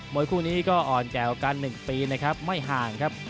วยคู่นี้ก็อ่อนแก่กว่ากัน๑ปีนะครับไม่ห่างครับ